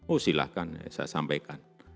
oh silahkan saya sampaikan